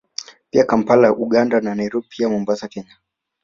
Pia Kampala Uganda na Nairobi pia Mombasa Kenya